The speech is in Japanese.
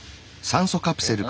酸素カプセル？